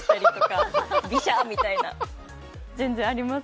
全然あります